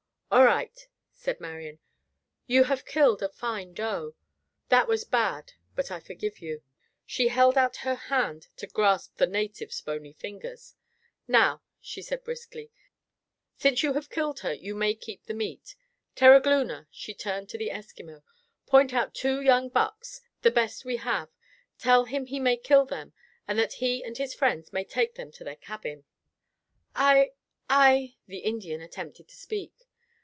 "All right," said Marian, "you have killed a fine doe. That was bad, but I forgive you." She held our her hand to grasp the native's bony fingers. "Now," she said briskly, "since you have killed her, you may keep the meat. Terogloona," she turned to the Eskimo, "point out two young bucks, the best we have. Tell him he may kill them and that he and his friends may take them to their cabin." "I—I—" the Indian attempted to speak.